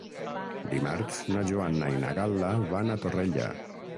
Dimarts na Joana i na Gal·la van a Torrella.